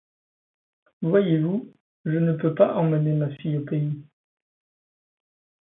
Voyez-vous, je ne peux pas emmener ma fille au pays.